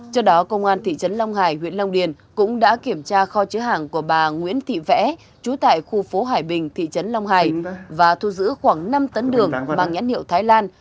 trước đó công an thị trấn long hải huyện long điền cũng đã kiểm tra kho chứa hàng của bà nguyễn thị vẽ trú tại khu phố hải bình thị trấn long hải và thu giữ khoảng năm tấn đường mang nhãn hiệu thái lan